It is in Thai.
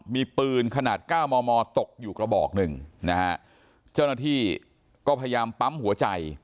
มีปืนขนาดเก้ามอมอตกอยู่กระบอกหนึ่งนะฮะเจ้าหน้าที่ก็พยายามปั๊มหัวใจ